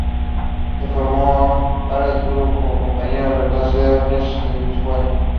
Se formó en Oak Park y tuvo como compañero de clase a Ernest Hemingway.